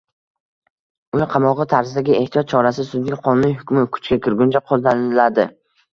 Uy qamog‘i tarzidagi ehtiyot chorasi sudning qonuniy hukmi kuchga kirguncha qo‘llaniladi.